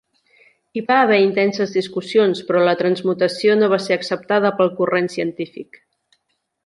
Hi va haver intenses discussions, però la transmutació no va ser acceptada pel corrent científic.